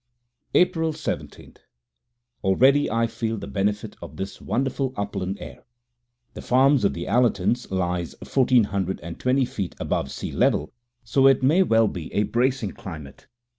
April 17. Already I feel the benefit of this wonderful upland air. The farm of the Allertons lies fourteen hundred and twenty feet above sea level, so it may well be a bracing climate.